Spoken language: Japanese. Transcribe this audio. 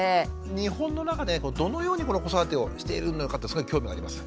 日本の中でどのようにこの子育てをしているのかってすごい興味があります。